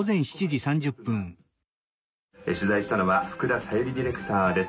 取材したのは福田紗友里ディレクターです。